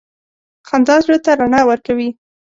• خندا زړه ته رڼا ورکوي.